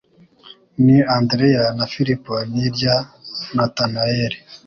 na Andreya na Filipo n'irya Natanaeli.